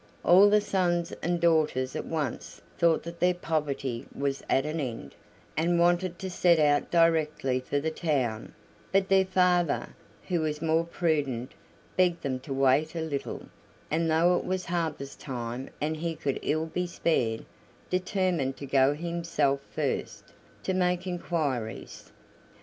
All the sons and daughters at once thought that their poverty was at an end, and wanted to set out directly for the town; but their father, who was more prudent, begged them to wait a little, and, though it was harvest time, and he could ill be spared, determined to go himself first, to make inquiries.